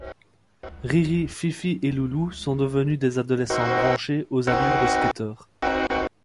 Riri, Fifi et Loulou sont devenus des adolescents branchés aux allures de skateurs.